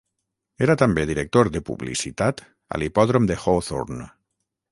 Era també director de publicitat a l'hipòdrom de Hawthorne.